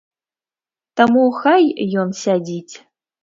Таму хай ён сядзіць.